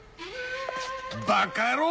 バッカ野郎！